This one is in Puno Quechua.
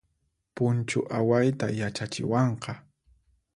Punchu awayta yachachiwanqa